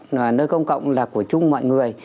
nơi công cộng là của chung mọi người